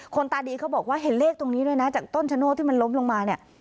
ตาดีเขาบอกว่าเห็นเลขตรงนี้ด้วยนะจากต้นชะโนธที่มันล้มลงมาเนี่ย